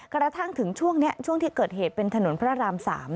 กระทั่งถึงช่วงนี้ช่วงที่เกิดเหตุเป็นถนนพระราม๓